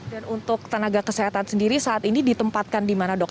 dan untuk tenaga kesehatan sendiri saat ini ditempatkan di mana dok